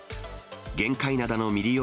玄界灘の未利用